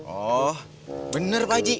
oh bener pak ji